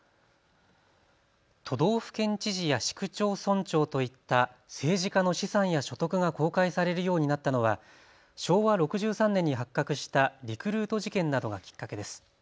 都道府県知事や市区町村長といった政治家の資産や所得が公開されるようになったのは昭和６３年に発覚したリクルート事件などがきっかけです。